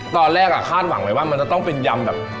ตอนแรกคาดหวังไว้ว่ามันจะต้องเป็นยำแบบ